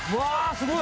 すごい！